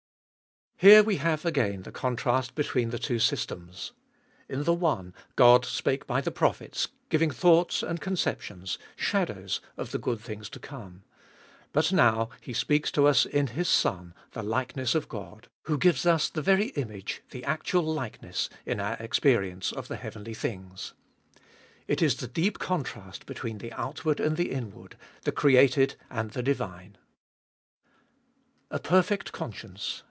/. Here we have again the contrast between the two systems. In the one Qod spake by the prophets, giving thoughts and conceptions — shadows of he good things to come. But now He speaks to us in His Son, the likeness of God, who gives us he very image, the actual likeness, in our experience of the heavenly things. It Is the deep contrast between the outward and the inward— the created and the divine. 2. A perfect conscience.